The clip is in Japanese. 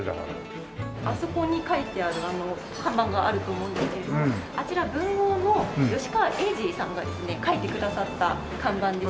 あそこに書いてあるあの看板があると思うんですけれどもあちら文豪の吉川英治さんがですね書いてくださった看板でして。